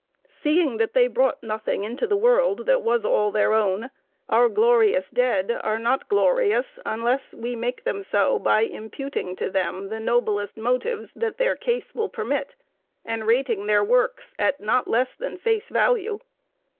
Seeing that they brought nothing into the world that was all their own, our glorious dead are not glorious unless we make them so, by imputing to them the noblest motives that their case will permit, and rating their works at not less than face value.